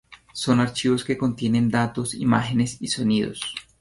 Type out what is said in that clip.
Son archivos que contienen datos, imágenes y sonidos.